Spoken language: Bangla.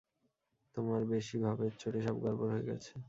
তোমার বেশি ভাবের চোটে সব গড়বড় হয়ে গেছে।